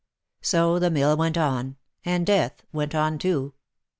So the mill went on, and death went on too.